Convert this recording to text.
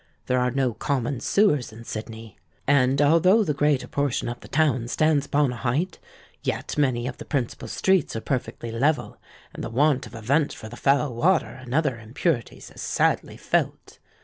There are no common sewers in Sydney; and, although the greater portion of the town stands upon a height, yet many of the principal streets are perfectly level, and the want of a vent for the foul water and other impurities is sadly felt.